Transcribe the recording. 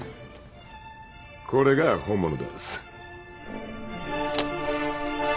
これが本物です。